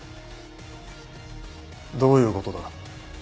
どういうことだ？